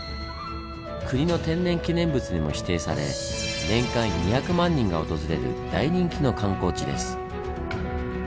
国の天然記念物にも指定され年間２００万人が訪れる大人気の観光地です。